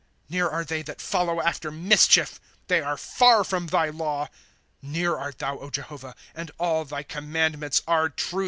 ' Near are they that follow after mischief; They are far from thy law. ' Near art thou, Jehovah, And all thy commandments are truth.